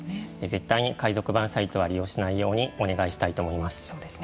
絶対に海賊版サイトは利用しないようにお願いしたいと思います。